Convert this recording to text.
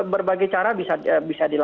berbagai cara bisa